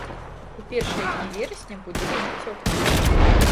У першыя дні верасня будзе вельмі цёпла.